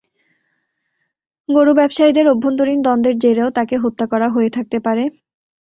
গরু ব্যবসায়ীদের অভ্যন্তরীণ দ্বন্দ্বের জেরেও তাঁকে হত্যা করা হয়ে থাকতে পারে।